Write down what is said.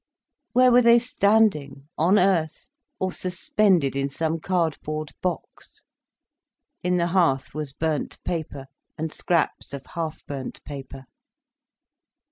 Where were they standing, on earth, or suspended in some cardboard box? In the hearth was burnt paper, and scraps of half burnt paper.